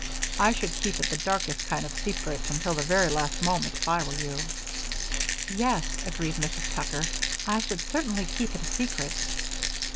I should keep it the darkest kind of secret until the very last moment, if I were you." "Yes," agreed Mrs. Tucker, "I should certainly keep it a secret."